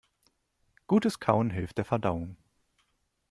Gutes Kauen hilft der Verdauung.